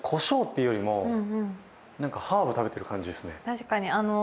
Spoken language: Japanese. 確かに。